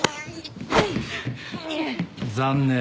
残念。